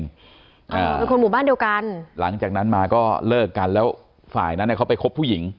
อ่าเป็นคนหมู่บ้านเดียวกันหลังจากนั้นมาก็เลิกกันแล้วฝ่ายนั้นเนี้ยเขาไปคบผู้หญิง